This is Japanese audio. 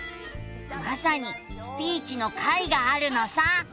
まさに「スピーチ」の回があるのさ。